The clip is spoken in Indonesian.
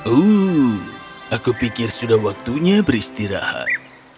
oh aku pikir sudah waktunya beristirahat